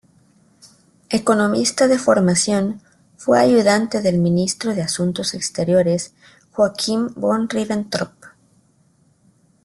Economista de formación, fue ayudante del ministro de Asuntos Exteriores Joachim von Ribbentrop.